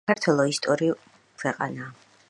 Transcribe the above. საქართველო ისტორიული ქვეყანაა